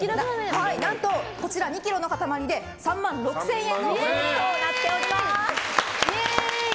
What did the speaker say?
何と、こちら２ｋｇの塊で３万６０００円となっています。